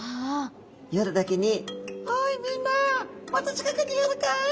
夜だけに「おいみんなもっと近くに寄るかい」